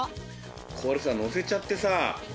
これさのせちゃってさ。